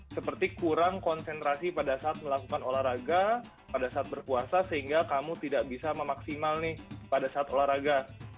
seperti kurang konsentrasi pada saat melakukan olahraga pada saat berpuasa sehingga kamu tidak bisa memaksimal nih pada saat olahraga